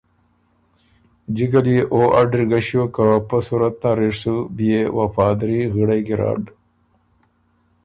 جکه ليې او اډِر ګۀ ݭیوک که پۀ صورت نر اِر سُو بيې وفادري غِړئ ګیرډ